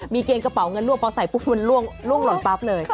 มีเกณฑ์กระเป๋าเงินรวบพอใส่ปุ๊บมันล่วงหล่นปั๊บเลย